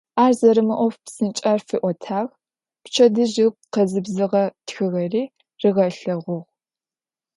Ар зэрэмыӏоф псынкӏэр фиӏотагъ, пчэдыжь ыгу къэзыбзэгъэ тхыгъэри ригъэлъэгъугъ.